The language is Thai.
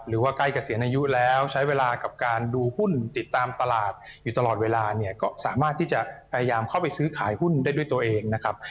ใกล้เกษียณอายุแล้วใช้เวลากับการดูหุ้นติดตามตลาดอยู่ตลอดเวลาเนี่ยก็สามารถที่จะพยายามเข้าไปซื้อขายหุ้นได้ด้วยตัวเองนะครับ